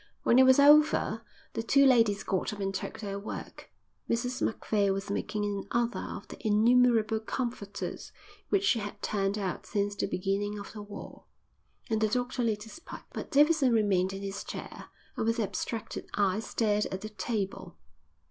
When it was over the two ladies got up and took their work, Mrs Macphail was making another of the innumerable comforters which she had turned out since the beginning of the war, and the doctor lit his pipe. But Davidson remained in his chair and with abstracted eyes stared at the table.